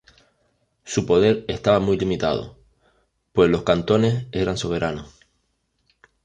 Su poder estaba muy limitado, pues los cantones eran soberanos.